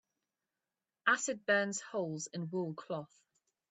Acid burns holes in wool cloth.